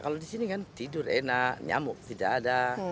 kalau disini kan tidur enak nyamuk tidak ada